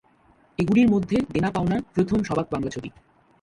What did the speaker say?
এগুলির মধ্যে দেনা-পাওনা প্রথম সবাক বাংলা ছবি।